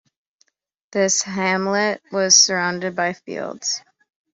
This hamlet was surrounded by fields.